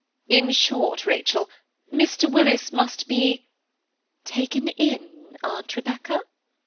"In short, Rachel, Mr. Willis must be–" "Taken in, Aunt Rebecca?"